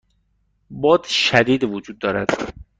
باد شدید وجود دارد.